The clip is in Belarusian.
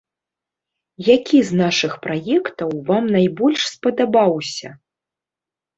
Які з нашых праектаў вам найбольш спадабаўся?